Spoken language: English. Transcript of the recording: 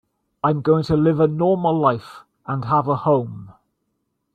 I'm going to live a normal life and have a home.